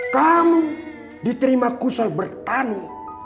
kamu diterima kusah bertani